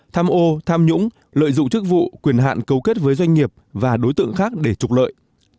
tham ô tham nhũng lợi dụng chức vụ quyền hạn cấu kết với doanh nghiệp và đối tượng khác để trục lợi